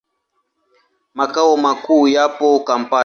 Makao makuu yapo Kampala.